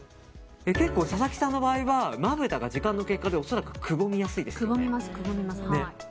佐々木さんの場合はまぶたが時間の経過で恐らくくぼみやすいですね。